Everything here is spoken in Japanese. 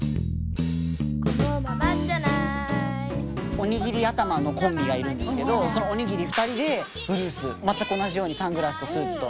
おにぎり頭のコンビがいるんですけどそのおにぎり２人でブルース全く同じようにサングラスとスーツと。